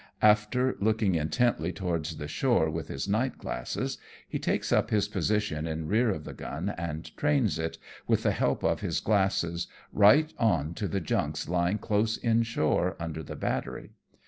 After looking intently towards the shore with his night glasses, he takes up his posi tion in rear of the gun, and trains it, with the help of his glasses, right on to the junks lying close in shore under the battery.